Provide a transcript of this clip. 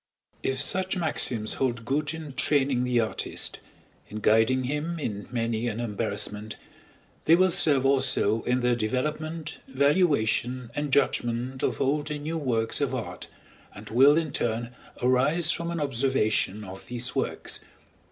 If such maxims hold good in training: the artist, in guiding him in many an embarrassment, they will serve also in the development, valuation, and judgment of old and new works of art, and will in turn arise from an observation of these works.